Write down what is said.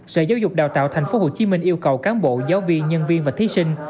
sở giáo dục đào tạo tp hcm yêu cầu cán bộ giáo viên nhân viên và thí sinh